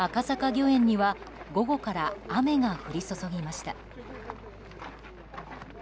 御苑には午後から雨が降り注ぎました。